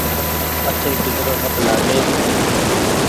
آٺي ڪچرو مت نآهآڪ۔